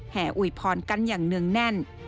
่อุยพรกันอย่างเนื่องแน่น